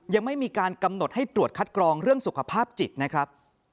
ยังไม่มีการกำหนดให้ตรวจคัดกรองเรื่องสุขภาพจิตนะครับ